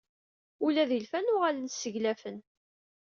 Ula d-ilfan uɣalen seglafen!